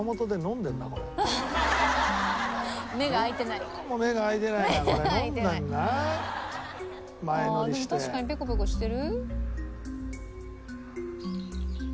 「でも確かにペコペコしてる？」